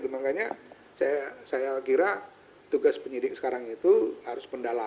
makanya saya kira tugas penyidik sekarang itu harus pendalaman